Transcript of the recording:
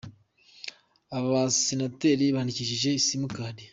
Abasenateri bandikishije Simu kadi